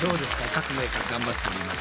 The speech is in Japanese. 各メーカー頑張っております。